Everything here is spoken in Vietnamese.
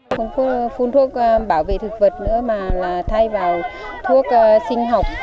không có phun thuốc bảo vệ thực vật nữa mà thay vào thuốc sinh học